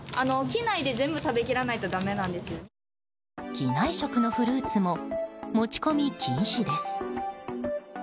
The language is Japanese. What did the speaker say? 機内食のフルーツも持ち込み禁止です。